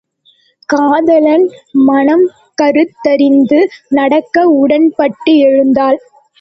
காதலன் மனக் கருத்தறிந்து நடக்க உடன்பட்டு எழுந்தாள்.